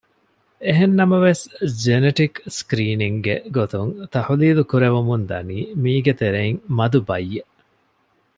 އެހެންނަމަވެސް ޖެނެޓިކް ސްކްރީނިންގ ގެ ގޮތުން ތަޙުލީލު ކުރެވެމުންދަނީ މީގެތެރެއިން މަދު ބައްޔެއް